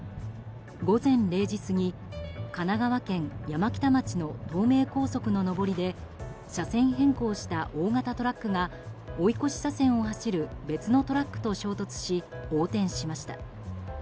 午前０時過ぎ神奈川県山北町の東名高速の上りで車線変更した大型トラックが追い越し車線を走る別のトラックと衝突し横転しました。